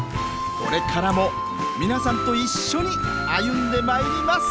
これからも皆さんと一緒に歩んでまいります